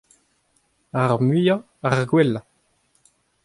Ar muiañ ar gwellañ.